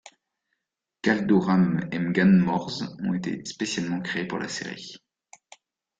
Kaldur'ahm et M'gann M'orzz ont été spécialement créés pour la série.